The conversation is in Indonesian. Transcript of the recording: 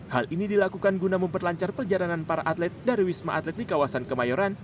hal ini dilakukan guna memperlancar perjalanan para atlet dari wisma atlet di kawasan kemayoran